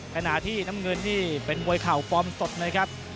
ขณะที่น้ำเงินนี่เป็นมวยเข่าฟอร์มสดนะครับ